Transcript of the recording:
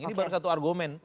ini baru satu argumen